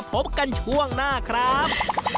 ป่าเหนื่อยครับ